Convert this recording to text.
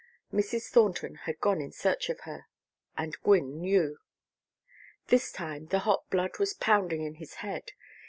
Mrs. Thornton had gone in search of her. And Gwynne knew. This time the hot blood was pounding in his head.